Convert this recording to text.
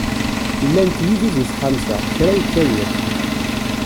Llant yid-i deg texxamt-a, kra yekka yiḍ.